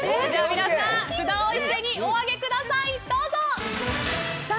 皆さん札を一斉にお上げください。